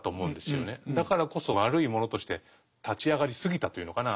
だからこそ悪いものとして立ち上がりすぎたというのかな